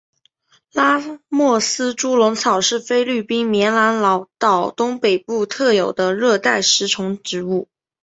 拉莫斯猪笼草是菲律宾棉兰老岛东北部特有的热带食虫植物。